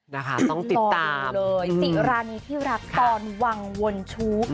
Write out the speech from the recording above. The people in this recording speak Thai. นะคะต้องติดตามเลยสิรานีที่รักตอนวังวนชู้